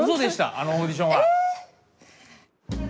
あのオーディションは。